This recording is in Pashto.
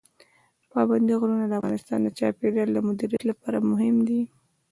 پابندي غرونه د افغانستان د چاپیریال مدیریت لپاره مهم دي.